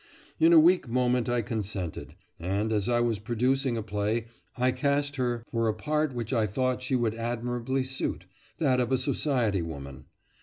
In a weak moment I consented, and as I was producing a play, I cast her for a part which I thought she would admirably suit that of a society woman.